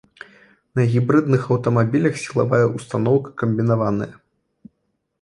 На гібрыдных аўтамабілях сілавая ўстаноўка камбінаваная.